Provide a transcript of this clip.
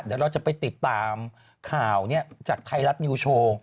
เดี๋ยวเราจะไปติดตามข่าวจากไทยรัฐนิวโชว์